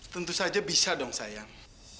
tentu saja bisa dong sayang